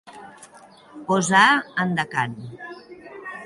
Posar en decant.